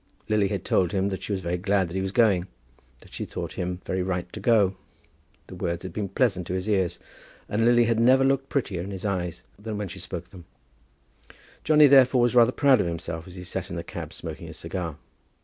Lily had told him that she was very glad that he was going; that she thought him very right to go. The words had been pleasant to his ears, and Lily had never looked prettier in his eyes than when she had spoken them. Johnny, therefore, was rather proud of himself as he sat in the cab smoking his cigar.